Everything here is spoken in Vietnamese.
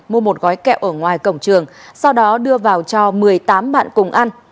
mua một gói kẹo ở ngoài cổng trường sau đó đưa vào cho một mươi tám bạn cùng ăn